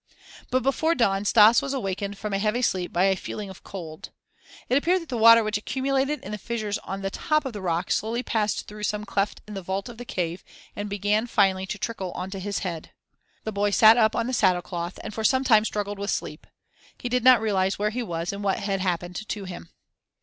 But before dawn Stas was awakened from a heavy sleep by a feeling of cold. It appeared that water which accumulated in the fissures on the top of the rock slowly passed through some cleft in the vault of the cave and began finally to trickle onto his head. The boy sat up on the saddle cloth and for some time struggled with sleep; he did not realize where he was and what had happened to him.